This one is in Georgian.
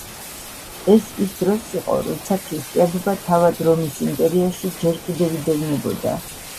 ეს ის დროს იყო, როცა ქრისტიანობა თავად რომის იმპერიაში ჯერ კიდევ იდევნებოდა.